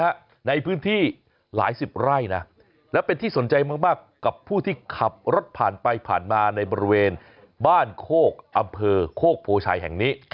ในพื้นที่หลายสิบไร่นะและเป็นที่สนใจมากกับผู้ที่ขับรถผ่านไปผ่านมาในบริเวณบ้านโคกอำเภอโคกโพชัยแห่งนี้